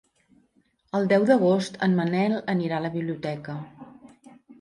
El deu d'agost en Manel anirà a la biblioteca.